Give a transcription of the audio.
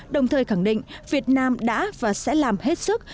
đồng thời khẳng định việt nam đã và sẽ làm hết sức